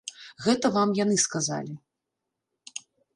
Гэта вам яны сказалі.